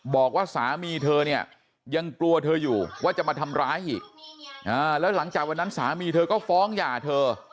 บอกว่าสามีเธอเนี่ยยังกลัวเธออยู่ว่าจะมาทำร้ายอีกแล้วหลังจากวันนั้นสามีเธอก็ฟ้องหย่าเธอ